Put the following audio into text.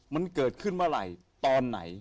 มันเกิดขึ้นเมื่อไหร่ตอนไหน